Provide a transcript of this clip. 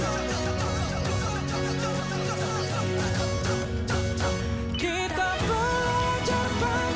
yang dipercaya hanya lelaki itu sendiri